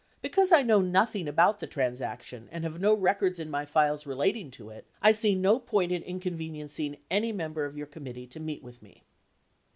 ... Because I know nothing about the transaction and have no records in my files relating to it, I see no point in inconveniencing any member of your committee to meet with me.